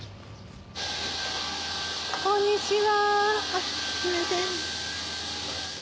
こんにちはすみません。